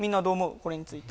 これについて。